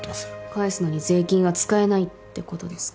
帰すのに税金が使えないってことですか。